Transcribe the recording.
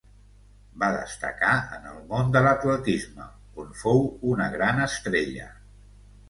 Va destacar en el món de l'atletisme, on fou una gran estrella.